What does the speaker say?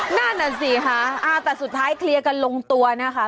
นั่นน่ะสิคะแต่สุดท้ายเคลียร์กันลงตัวนะคะ